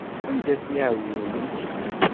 Anda-ten iɛudiwen-ik?